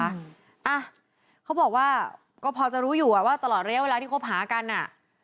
อ่ะเขาบอกว่าก็พอจะรู้อยู่อ่ะว่าตลอดระยะเวลาที่คบหากันอ่ะ